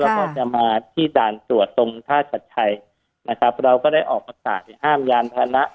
แล้วก็จะมาที่ด่านตรวจตรงท่าชัดชัยนะครับเราก็ได้ออกประกาศห้ามยานพานะ